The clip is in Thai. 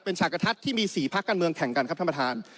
ฉากกระทัดที่มี๔พักการเมืองแข่งกันครับท่านประธาน